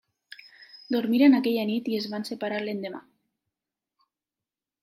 Dormiren aquella nit i es van separar l'endemà.